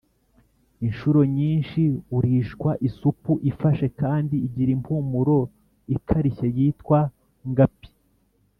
Incuro nyinshi urishwa isupu ifashe kandi igira impumuro ikarishye yitwa ngapi